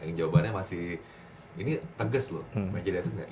yang jawabannya masih ini tegas loh pengen jadi atlet nggak